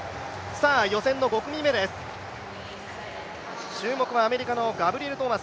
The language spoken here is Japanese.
予選５組目です、注目はアメリカのガブリエル・トーマス。